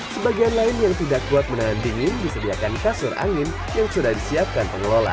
sebagian lain yang tidak kuat menahan dingin disediakan kasur angin yang sudah disiapkan pengelola